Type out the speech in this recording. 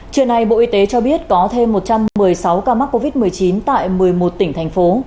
trưa nay bộ y tế cho biết có thêm một trăm một mươi sáu ca mắc covid một mươi chín tại một mươi một tỉnh thành phố